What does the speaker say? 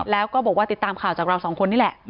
แล้วก็บอกว่าติดตามข่าวจากเราสองคนนี่แหละ